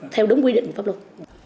theo đúng quy định của pháp luật